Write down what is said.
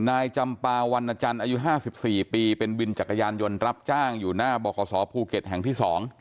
นายจำปาวันจันทร์อายุ๕๔ปีเป็นวินจักรยานยนต์รับจ้างอยู่หน้าบขภูเก็ตแห่งที่๒